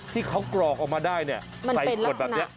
ที่เขากรอกออกมาได้ใส่กรดแบบนี้